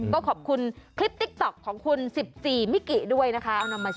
ก็ขอบคุณคลิปจริงจริงของคุณสิบสี่มิกิด้วยนะคะ